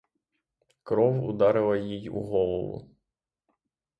Кров ударила їй у голову.